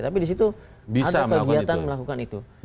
tapi di situ ada kegiatan melakukan itu